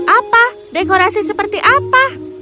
apa dekorasi seperti apa